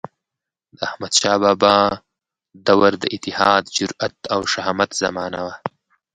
د احمدشاه بابا دور د اتحاد، جرئت او شهامت زمانه وه.